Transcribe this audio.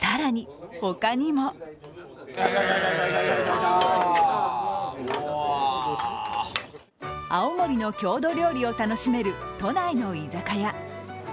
更に、他にも青森の郷土料理を楽しめる都内の居酒屋。